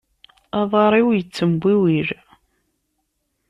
Aḍar-iw yettembiwil.